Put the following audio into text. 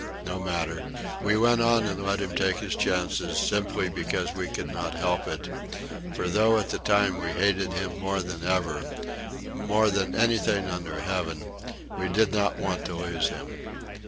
No matter.... We went on and let him take his chances, simply because we could not help it; for though at that time we hated him more than ever more than anything under heaven we did not want to lose him.